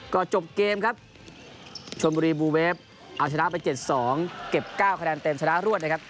ก็จบเกมครับชนบุรีบูเวฟเอาชนะไป๗๒เก็บ๙คะแนนเต็มชนะรวดนะครับ